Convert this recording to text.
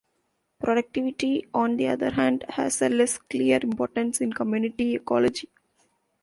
Productivity, on the other hand, has a less clear importance in community ecology.